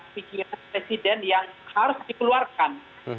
pikiran presiden yang harus dikeluarkan